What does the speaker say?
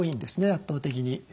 圧倒的に。